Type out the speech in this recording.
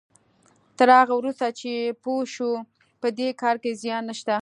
تر هغه وروسته چې پوه شو په دې کار کې زيان نشته.